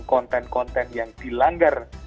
konten konten yang dilanggar